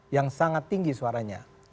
yang sangat tinggi suaranya